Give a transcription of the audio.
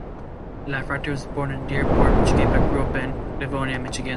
Iafrate was born in Dearborn, Michigan, but grew up in Livonia, Michigan.